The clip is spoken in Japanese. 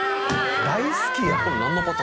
大好きやん。